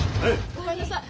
お帰りなさい。